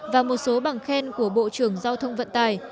và một số bảng khen của bộ trưởng giao thông vận tài